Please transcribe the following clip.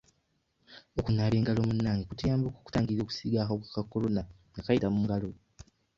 Okunaaba engalo munnange kutuyambako okutangira okusiiga akawuka ka Corona nga kayita mu ngalo.